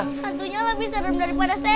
hantunya lebih serem daripada saya